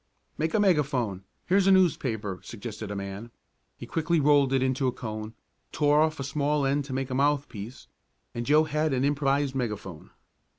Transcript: "Make a megaphone here's a newspaper," suggested a man. He quickly rolled it into a cone, tore off the small end to make a mouthpiece and Joe had an improvised megaphone.